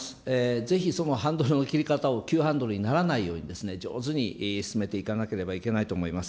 ぜひそのハンドルの切り方を急ハンドルにならないように上手に進めていかなければいけないと思います。